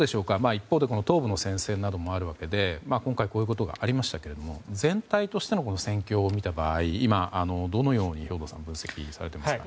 一方で東部の戦線などもあるわけで今回こういうことがありましたが全体としての戦況を見た場合兵頭さんは今どのように分析されていますか。